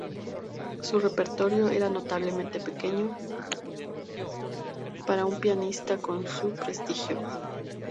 Su repertorio era notablemente pequeño para un pianista con su prestigio.